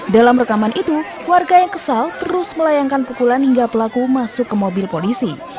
dalam rekaman itu warga yang kesal terus melayangkan pukulan hingga pelaku masuk ke mobil polisi